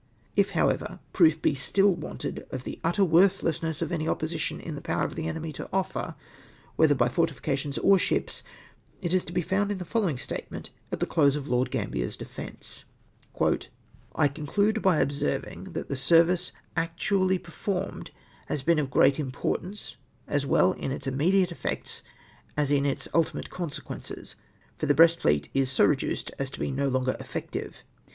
If, howevei', proof be still wanted of the utter worth lessness of any opposition hi the power of the enemy to offer, whether by fortifications or sliips, it is to be found in the following statement at the close of Lord Gambler's defence :—" I conclude by observing that the service actually per formed has been of great importance, as well in its immediate effects as in its ultimate consequences ; for the Brest fleet is so reduced as to be no longer effective.